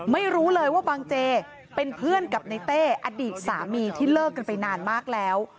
ไม่รู้เลยว่าบังเจเป็นเพื่อนกับในเต้อดีตสามีที่เลิกกันไปนานมากแล้ว